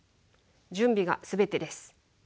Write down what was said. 準備が全てです。